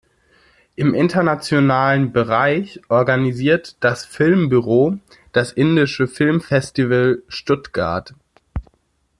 Im internationalen Bereich organisiert das Filmbüro das „Indische Filmfestival Stuttgart“.